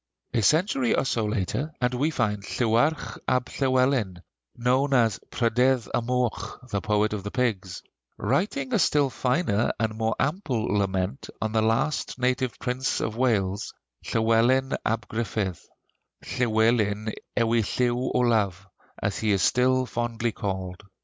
A century or so later, and we find Llywarch ab Llywelyn (known as "Prydydd y Moch," the Poet of the Pigs) writing a still finer and more ample lament on the last native prince of Wales, Llywelyn ab Gruffydd, "Llywelyn ewi Llyw Olaf," as he is still fondly called.